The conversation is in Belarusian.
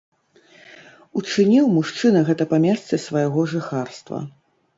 Учыніў мужчына гэта па месцы свайго жыхарства.